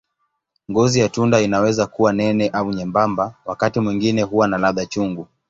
Ngozi ya tunda inaweza kuwa nene au nyembamba, wakati mwingine huwa na ladha chungu.